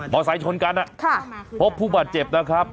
ไซต์ชนกันพบผู้บาดเจ็บนะครับ